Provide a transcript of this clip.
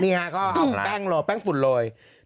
นี่ค่ะก็แป้งฝุ่นโรย